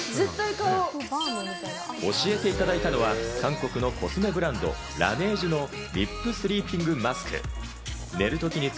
教えていただいたのは、韓国のコスメブランド・ラネージュのリップスリーピングマスク。